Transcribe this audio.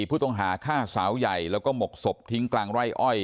ผู้ต้องหาฆ่าสาวใหญ่แล้วก็หมกศพทิ้งกลางไร่อ้อย